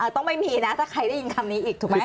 ต้องไม่มีนะถ้าใครได้ยินคำนี้อีกถูกไหม